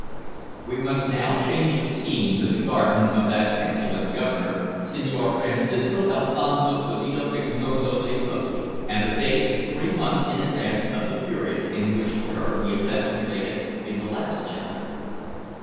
We must now change the scene to the garden of that excellent Governor, Senhor Francisco Alfonso Toledo Bignoso Letotti, and the date to three months in advance of the period in which occurred the events related in the last chapter.